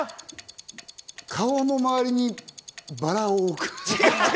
顔の周りにバラを置く。